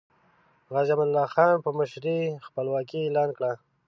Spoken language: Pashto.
غازی امان الله خان په مشرۍ خپلواکي اعلان کړه.